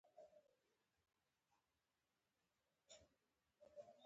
د انګریزانو پوځونو جلال اباد اشغال کړی دی.